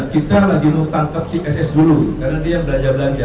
kita lagi mau tangkap si pss dulu karena dia belajar belanja